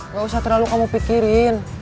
gak usah terlalu kamu pikirin